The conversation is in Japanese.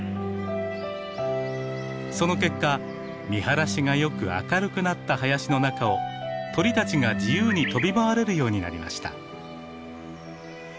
その結果見晴らしがよく明るくなった林の中を鳥たちが自由に飛び回れるようになりました。